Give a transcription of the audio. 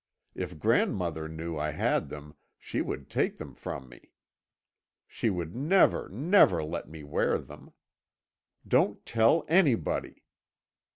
If grandmother knew I had them, she would take them from me. She would never, never let me wear them. Don't tell anybody.'